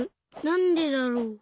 なんでだろう？